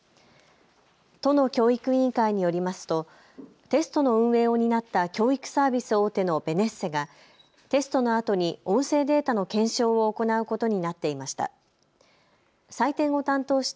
都の教育委員会によりますとテストの運営を担った教育サービス大手のベネッセがテストのあとに音声データの検証を行うことになっていました。